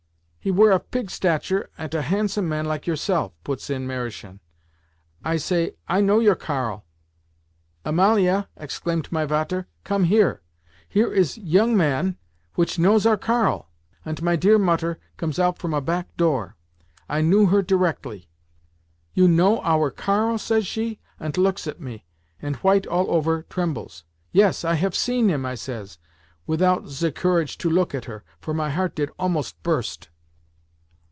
'He were of pig stature, ant a handsome man like yourself,' puts in Mariechen. I say, 'I know your Karl.' 'Amalia,' exclaimet my Vater. 'Come here! Here is yong man which knows our Karl!'—ant my dear Mutter comes out from a back door. I knew her directly. 'You know our Karl?' says she, ant looks at me, ant, white all over, trembles. 'Yes, I haf seen him,' I says, without ze corage to look at her, for my heart did almost burst.